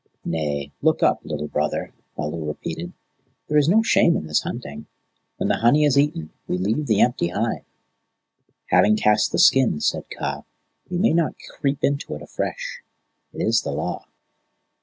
"Nay, look up, Little Brother," Baloo repeated. "There is no shame in this hunting. When the honey is eaten we leave the empty hive." "Having cast the skin," said Kaa, "we may not creep into it afresh. It is the Law."